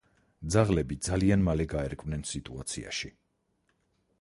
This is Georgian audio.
ძაღლები ძალიან მალე გაერკვნენ სიტუაციაში.